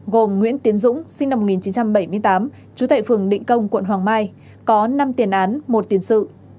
gồm nguyễn tiến dũng sinh năm một nghìn chín trăm bảy mươi tám trú tại phường định công quận hoàng mai có năm tiền án một tiền sự